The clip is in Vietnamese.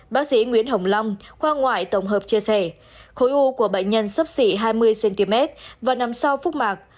bác sĩ nguyễn hồng long khoa ngoại tổng hợp chia sẻ khối u của bệnh nhân sấp xỉ hai mươi cm và nằm sau phúc mạc